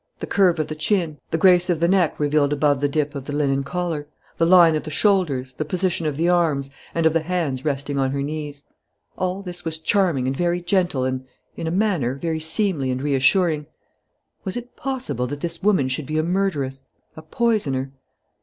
The curve of the chin, the grace of the neck revealed above the dip of the linen collar, the line of the shoulders, the position of the arms, and of the hands resting on her knees: all this was charming and very gentle and, in a manner, very seemly and reassuring. Was it possible that this woman should be a murderess, a poisoner?